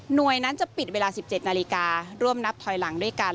โดยนั้นจะปิดเวลา๑๗นาฬิการ่วมนับถอยหลังด้วยกัน